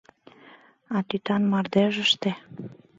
А тӱтан мардежыште